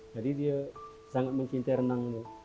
jadi dia sangat mencintai renang